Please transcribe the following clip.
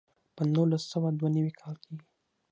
په نولس سوه دوه نوي کال کې.